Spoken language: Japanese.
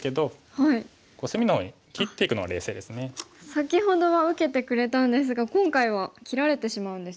先ほどは受けてくれたんですが今回は切られてしまうんですね。